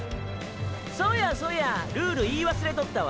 そやそやルール言い忘れとったわ。